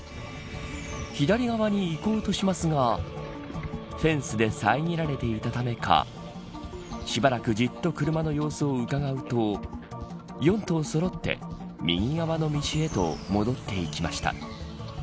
左側にいこうとしますがフェンスで遮られていたためかしばらくじっと車の様子を伺うと４頭そろって右側の道へと戻っていきました。